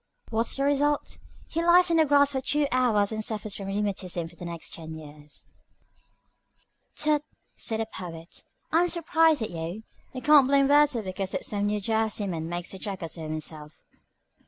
What's the result? He lies on the grass for two hours and suffers from rheumatism for the next ten years." "Tut!" said the Poet. "I am surprised at you. You can't blame Wordsworth because some New Jerseyman makes a jackass of himself."